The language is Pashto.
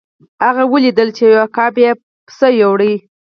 هغه ولیدل چې یو عقاب یو پسه یووړ.